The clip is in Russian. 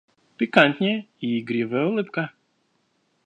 Пикантнее, и игривая улыбка.